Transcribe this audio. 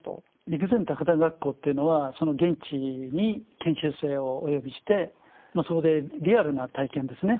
陸前高田学校というのはその現地に研修生をお呼びしてそこでリアルな体験ですね。